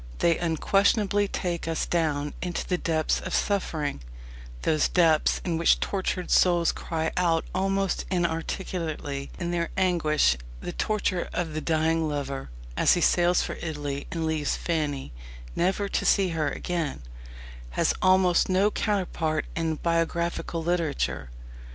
They unquestionably take us down into the depths of suffering those depths in which tortured souls cry out almost inarticulately in their anguish. The torture of the dying lover, as he sails for Italy and leaves Fanny, never to see her again, has almost no counterpart in biographical literature.